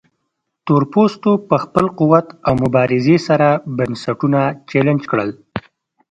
تورپوستو په خپل قوت او مبارزې سره بنسټونه چلنج کړل.